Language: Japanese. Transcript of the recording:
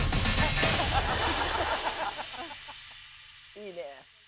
いいね。